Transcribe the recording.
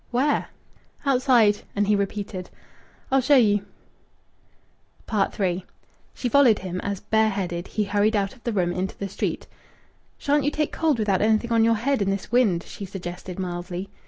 "Where?" "Outside." And he repeated, "I'll show you." III She followed him as, bareheaded, he hurried out of the room into the street. "Shan't you take cold without anything on your head in this wind?" she suggested mildly.